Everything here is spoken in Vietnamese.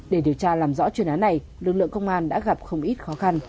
để điều tra làm rõ chuyên án này lực lượng công an đã gặp không ít khó khăn